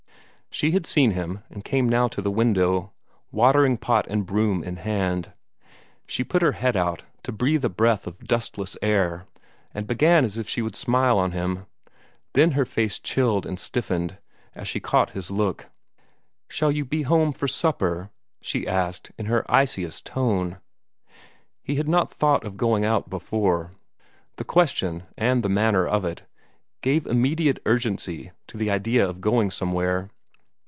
She had seen him, and came now to the window, watering pot and broom in hand. She put her head out, to breathe a breath of dustless air, and began as if she would smile on him. Then her face chilled and stiffened, as she caught his look. "Shall you be home for supper?" she asked, in her iciest tone. He had not thought of going out before. The question, and the manner of it, gave immediate urgency to the idea of going somewhere.